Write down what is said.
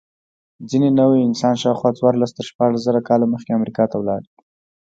ځینې نوعې انسان شاوخوا څوارلس تر شپاړس زره کاله مخکې امریکا ته ولاړ.